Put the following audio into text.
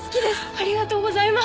ありがとうございます！